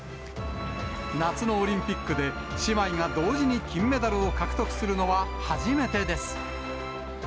夏のオリンピックで、姉妹が同時に金メダルを獲得するのは初めてです。